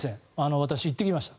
私、行ってきました。